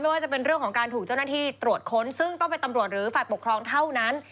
ว่าจะเป็นเรื่องของการถูกเจ้าหน้าที่ตรวจค้นซึ่งต้องเป็นตำรวจหรือฝ่ายปกครองเท่านั้น